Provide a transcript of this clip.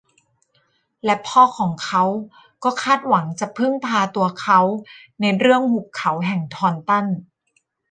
และพ่อของเขาก็คาดหวังจะพึ่งพาตัวเขาในเรื่องหุบเขาแห่งทอนตัน